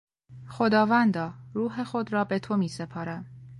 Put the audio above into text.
خداوندا، روح خود را به تو میسپارم.